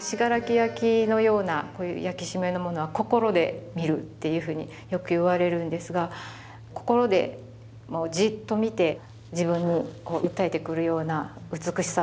信楽焼のようなこういう焼締めのものは心で観るというふうによく言われるんですが心でじっと観て自分に訴えてくるような美しさ。